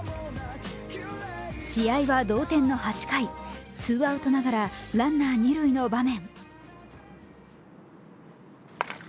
試合は同点の８回、ツーアウトながらランナー、二塁の場面。